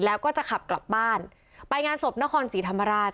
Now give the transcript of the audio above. แล้วก็จะขับกลับบ้านไปงานศพนครศรีธรรมราช